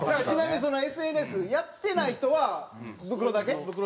ちなみにそのＳＮＳやってない人はブクロだけ？